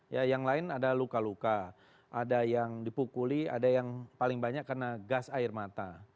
ya yang lain ada luka luka ada yang dipukuli ada yang paling banyak kena gas air mata